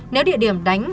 nếu địa điểm đánh